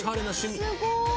すごーい！